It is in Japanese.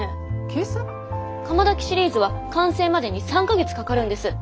窯焚きシリーズは完成までに３か月かかるんです。